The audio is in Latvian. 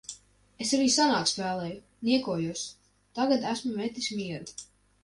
Es arī senāk spēlēju. Niekojos. Tagad esmu metis mieru.